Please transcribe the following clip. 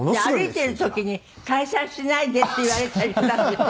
歩いてる時に「解散しないで」って言われたりしたんですって？